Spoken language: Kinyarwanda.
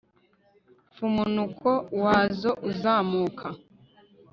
f Umunuko wazo uzazamuka